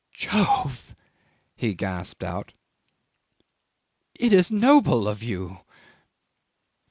'"Jove!" he gasped out. "It is noble of you!"